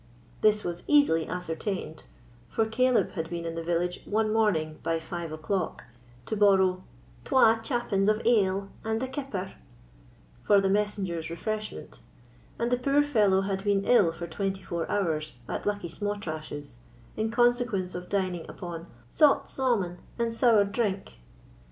This was easily ascertained; for Caleb had been in the village one morning by five o'clock, to borrow "twa chappins of ale and a kipper" for the messenger's refreshment, and the poor fellow had been ill for twenty four hours at Luckie Sma'trash's, in consequence of dining upon "saut saumon and sour drink."